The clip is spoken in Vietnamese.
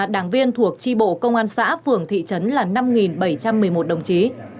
đảng viên thuộc tri bộ công an xã phường thị trấn là năm bảy trăm một mươi một đồng chí